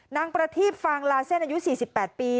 นางประทีบฟางลาเส้นอายุ๔๘ปี